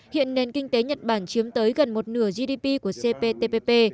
hiện nền kinh tế nhật bản chiếm tới gần một nửa gdp của cptpp